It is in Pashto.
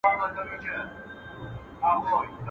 د کوڅې غول گرده عمر پر ليوني تاوان وي.